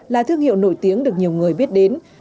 là thương hiệu nổi tiếng được nhiều người biết đến